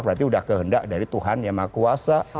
berarti sudah kehendak dari tuhan yang maha kuasa